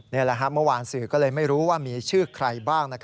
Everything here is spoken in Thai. นี่แหละครับเมื่อวานสื่อก็เลยไม่รู้ว่ามีชื่อใครบ้าง